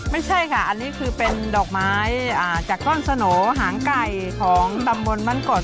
ไม่ใช่ค่ะอันนี้คือเป็นดอกไม้จากก้อนสโหนหางไก่ของตำบลบ้านกรด